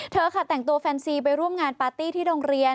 เธอค่ะแต่งตัวแฟนซีไปร่วมงานปาร์ตี้ที่โรงเรียน